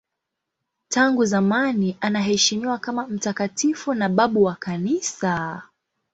Tangu zamani anaheshimiwa kama mtakatifu na babu wa Kanisa.